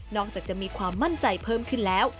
อกจากจะมีความมั่นใจเพิ่มขึ้นแล้ว